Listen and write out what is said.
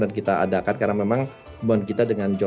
ini juga bisa jadi acara yang sangat sangat baik